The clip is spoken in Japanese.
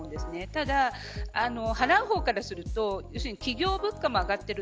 ただ、払う方からすると要するに企業物価も上がっている。